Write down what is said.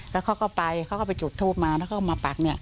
แล้วเขาก็ไปเขาก็ไปจุดทูปมาแล้วเขาก็มาปักเนี่ย